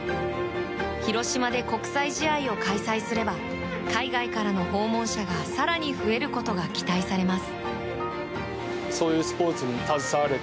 広島で国際試合を開催すれば海外からの訪問者が更に増えることが期待されます。